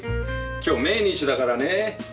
今日命日だからね